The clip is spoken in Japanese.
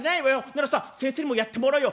「ならさ先生にもやってもらうよ。